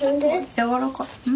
やわらかい。